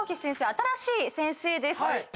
新しい先生です。